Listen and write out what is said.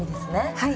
はい。